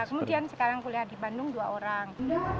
kemudian sekarang kuliah di bandung dua orang